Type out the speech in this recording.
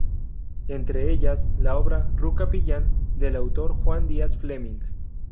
Entre ellas la obra "Ruca pillán", del autor Juan Díaz Fleming.